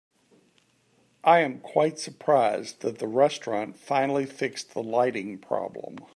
I am quite surprised that the restaurant finally fixed the lighting problem.